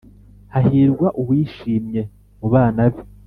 hahirwa uwishimye mu bana be.